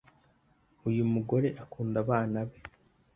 uyu mugore akunda abana be.